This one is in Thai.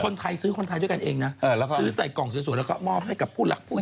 คนไทยซื้อคนไทยด้วยกันเองนะซื้อใส่กล่องสวยแล้วก็มอบให้กับผู้รักผู้